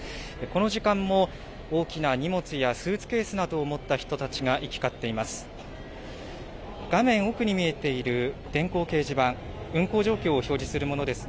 この時間も大きな荷物やスーツケースなどを持った人たちが行き交っています。